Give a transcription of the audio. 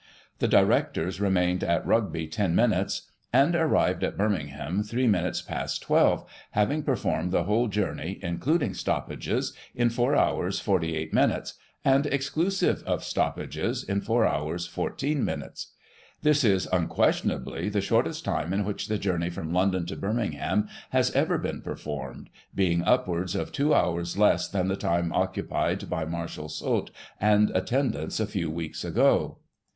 The directors remained at Rugby 10 minutes. Digiti ized by Google 1838] L. & N. W. RY. 67 and eirrived at Birmingham 3 minutes past 12, having per formed the whole journey, including stoppages, in 4 hours 48 minutes, and, exclusive of stoppages, in 4 hours 14 minutes. This is, unquestionably, the shortest time in which the journey from London to Birmingham has ever been performed, being upwards of two hours less than the time occupied by Marshal Soult and attendants a few weeks ago."